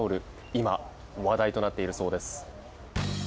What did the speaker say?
今、話題となっているそうです。